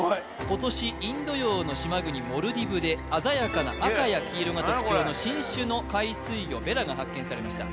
今年インド洋の島国モルディブで鮮やかな赤や黄色が特徴の新種の海水魚ベラが発見されました